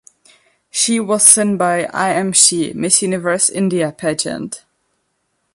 She was sent by I Am She - Miss Universe India pageant.